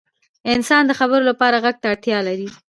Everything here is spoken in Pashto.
• انسانان د خبرو لپاره ږغ ته اړتیا لري.